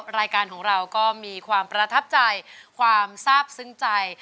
รายการของเราก็มีความประทับใจความทราบซึ้งใจ